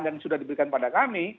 dan sudah diberikan pada kami